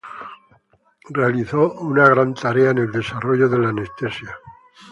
Realizó un gran tarea en el desarrollo de la anestesia.